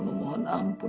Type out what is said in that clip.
sambah memohon ampun